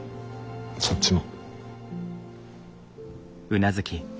そっちも。